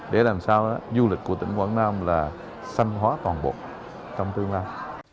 để làm sao du lịch của tỉnh quảng nam là xanh hóa toàn bộ trong tương lai